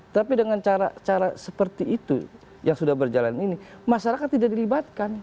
tapi dengan cara seperti itu yang sudah berjalan ini masyarakat tidak dilibatkan